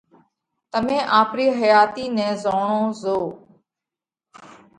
تمي آپرِي حياتِي نئہ رُوڙون زوئو ان ڳوتو ۿاس نئہ